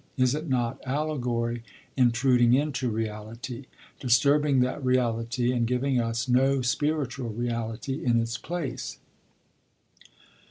Is it not allegory intruding into reality, disturbing that reality and giving us no spiritual reality in its place?